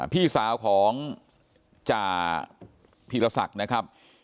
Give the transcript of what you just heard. พี่สาวของจพิรษักนะครับ